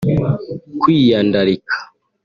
kwiyandarika